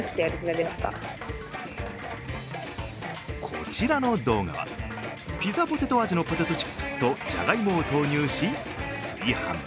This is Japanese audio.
こちらの動画はピザポテト味のポテトチップスとじゃがいもを投入し、炊飯。